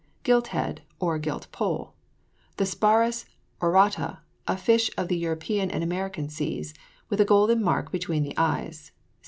GILT HEAD, OR GILT POLL. The Sparus aurata, a fish of the European and American seas, with a golden mark between the eyes.